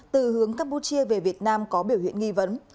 từ hướng campuchia về việt nam có biểu hiện nghi vấn